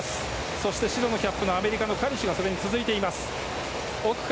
そして、白のキャップアメリカのカリシュがそれに続いています。